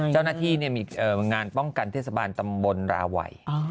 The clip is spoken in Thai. เจ้าหน้าที่มีงานป้องกันเทศบาลตำบลราวัย